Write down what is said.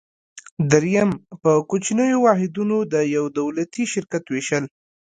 دریم: په کوچنیو واحدونو د یو دولتي شرکت ویشل.